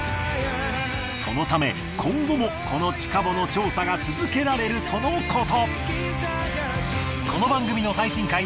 そのため今後もこの地下墓の調査が続けられるとのこと。